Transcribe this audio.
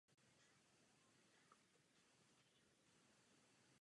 Stroj byl vyráběn též v licenci.